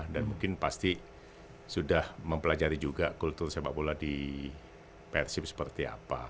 dan mungkin pasti sudah mempelajari juga kultur sepak bola di persib seperti apa